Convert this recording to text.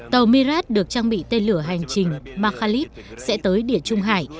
tàu mirat được trang bị tên lửa hành trình makhalid sẽ tới địa trung hải